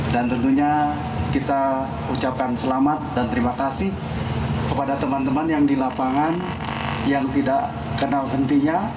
dan tentunya kita ucapkan selamat dan terima kasih kepada teman teman yang di lapangan yang tidak kenal hentinya